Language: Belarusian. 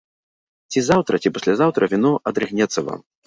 Ці заўтра, ці паслязаўтра віно адрыгнецца вам.